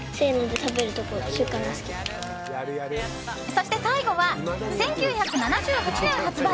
そして最後は、１９７８年発売。